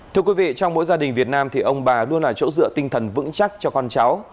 thưa quý vị trong mỗi gia đình việt nam thì ông bà luôn là chỗ dựa tinh thần vững chắc cho con cháu